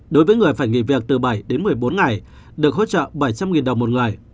đối với người phải nghỉ việc từ bảy đến một mươi bốn ngày được hỗ trợ bảy trăm linh đồng một người